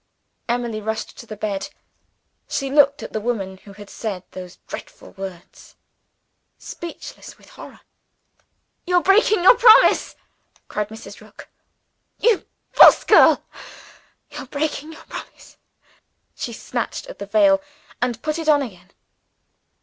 Emily rushed to the bed. She looked at the woman who had said those dreadful words, speechless with horror. "You're breaking your promise!" cried Mrs. Rook. "You false girl, you're breaking your promise!" She snatched at the veil, and put it on again.